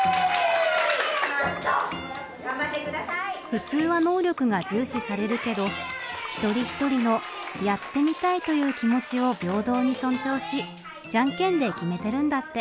普通は能力が重視されるけど一人一人の「やってみたい」という気持ちを平等に尊重しジャンケンで決めてるんだって。